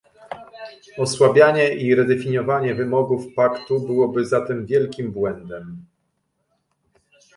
Osłabianie i redefiniowanie wymogów paktu byłoby zatem wielkim błędem